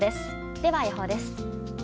では予報です。